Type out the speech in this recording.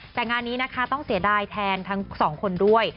แต่งานนี้นะคะต้องเสียดายแทนทั้งสองคนด้วย